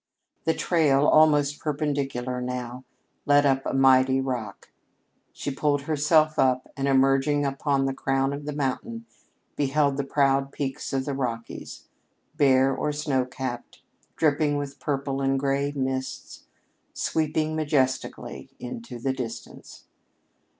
The trail, almost perpendicular now, led up a mighty rock. She pulled herself up, and emerging upon the crown of the mountain, beheld the proud peaks of the Rockies, bare or snow capped, dripping with purple and gray mists, sweeping majestically into the distance.